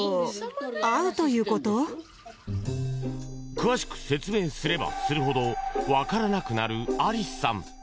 詳しく説明すればするほど分からなくなるアリスさん。